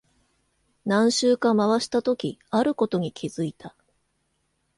何周か回したとき、あることに気づいた。